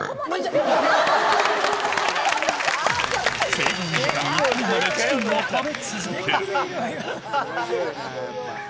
制限時間いっぱいまでチキンを食べ続ける。